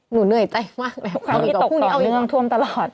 หนูเหนื่อยใจมากแล้วพร้อมที่ตกต่อหนึ่งท่วมตลอด